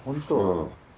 うん。